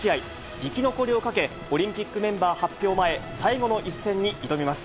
生き残りをかけ、オリンピックメンバー発表前、最後の一戦に挑みます。